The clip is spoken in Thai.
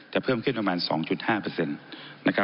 จะเพิ่มขึ้นประมาณ๒๕เปอร์เซ็นต์